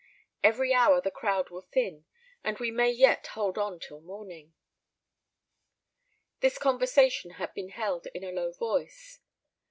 Every hour the crowd will thin, and we may yet hold on till morning." This conversation had been held in a low voice.